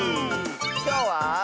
きょうは。